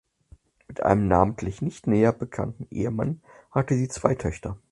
Mit einem namentlich nicht näher bekannten Ehemann hatte sie zwei Töchter.